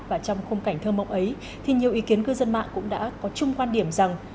và trong khung cảnh thơm mộng ấy thì nhiều ý kiến cư dân mạng cũng đã có chung quan điểm rằng